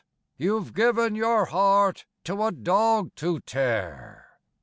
you've given your heart to a dog to tear.